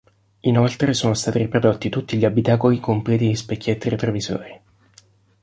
Inoltre sono stati riprodotti tutti gli abitacoli completi di specchietti retrovisori.